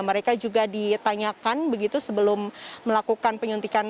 mereka juga ditanyakan begitu sebelum melakukannya